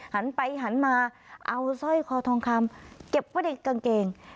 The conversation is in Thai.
หันไปหันมาเอาสร้อยคอทองคำเก็บไว้ในกางเกง